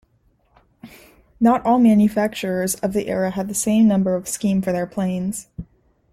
Not all manufacturers of the era had the same number scheme for their planes.